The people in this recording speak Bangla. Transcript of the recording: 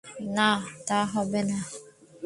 না, তা হবে না।